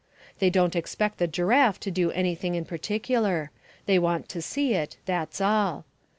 They don't expect the giraffe to do anything in particular. They want to see it, that's all.